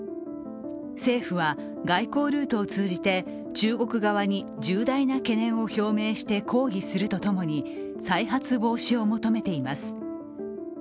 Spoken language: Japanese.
政府は外交ルートを通じて中国側に重大な懸念を表明して抗議するとともに再発防止を求めています。